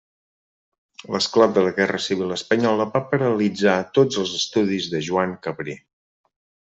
L'esclat de la Guerra Civil espanyola va paralitzar tots els estudis de Joan Cabré.